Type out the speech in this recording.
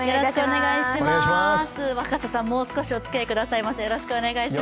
若狭さん、もう少しお付きあいくださいませ。